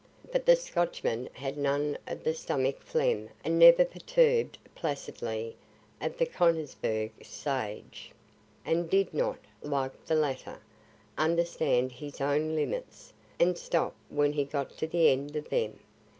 But the Scotchman had none of the stomachic phlegm and never perturb'd placidity of the Konigsberg sage, and did not, like the latter, understand his own limits, and stop when he got to the end of them.